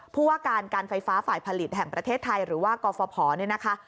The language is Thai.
ผู้ว่าการการไฟฟ้าฝ่ายผลิตแห่งประเทศไทยหรือว่ากฟภเนี่ยนะคะ